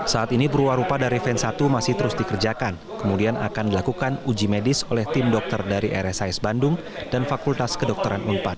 sehingga kita harus dikerjakan kemudian akan dilakukan uji medis oleh tim dokter dari rsis bandung dan fakultas kedokteran empat